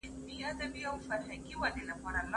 څو غمي مې د چورمو په واسکټ سکښتي